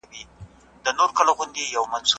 آیا ښوونځي به بېرته پرانیستل شي؟